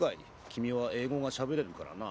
君は英語がしゃべれるからな。